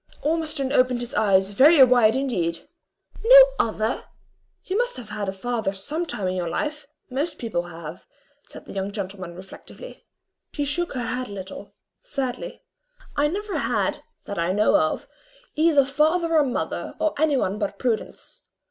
Ormiston opened his eyes very wide indeed. "No other! you must have had a father some time in your life; most people have," said the young gentleman, reflectively. She shook her head a little sadly. "I never had, that I know of, either father or mother, or any one but Prudence.